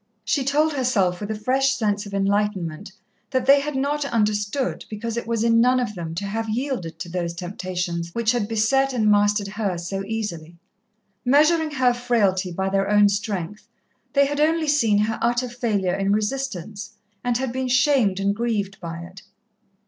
She told herself, with a fresh sense of enlightenment, that they had not understood because it was in none of them to have yielded to those temptations which had beset and mastered her so easily. Measuring her frailty by their own strength, they had only seen her utter failure in resistance, and been shamed and grieved by it.